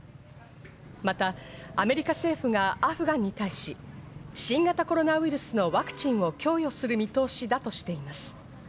また、アメリカ政府がアフガンに対し、新型コロナウイルスのワクチンを供与する見通しだとしています。